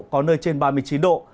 có nơi trên ba mươi chín độ